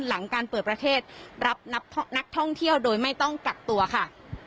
หลังการเปิดประเทศรับนักท่องเที่ยวโดยไม่ต้องกักตัวค่ะ